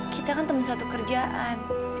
kita kan temen satu kerjaan